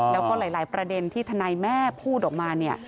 แล้วก็หลายประเด็นที่ทนายแม่พูดออกมาเนี่ย